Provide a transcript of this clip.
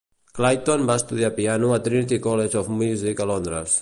Clayton va estudiar piano a Trinity College of Music a Londres.